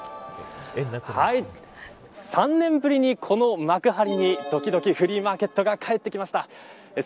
３年ぶりにこの幕張にどきどきフリーマーケットが帰ってきました。